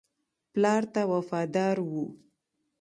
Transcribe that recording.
پلار ته وفادار وو.